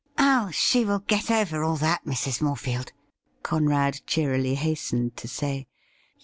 ' Oh, she will get over all that, Mrs. Morefield,' Conrad cheerily hastened to say.